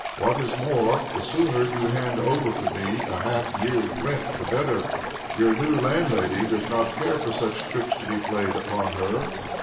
" What is more, the sooner you hand over to me a half year's rent, the better. Your new landlady does not care for such tricks to be played upon her.